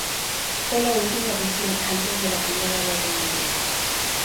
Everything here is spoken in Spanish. Fue la última edición antes de la I Guerra Mundial